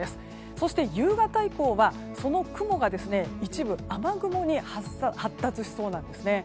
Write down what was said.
そして夕方以降はその雲が一部雨雲に発達しそうなんですね。